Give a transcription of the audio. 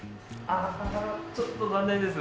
あちょっと残念です。